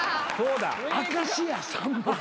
明石家さんま。